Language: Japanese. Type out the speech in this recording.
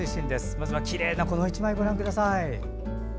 まずはきれいなこの１枚ご覧ください。